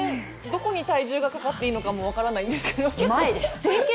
どこに体重をかけていいのかも分からないんですけど。